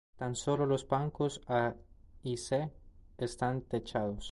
Tan solo los bancos A y C están techados.